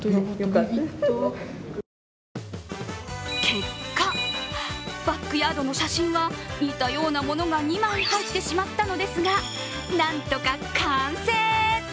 結果、バックヤードの写真は似たようなものが２枚入ってしまったのですが、なんとか完成。